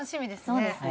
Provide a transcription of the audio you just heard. そうですね。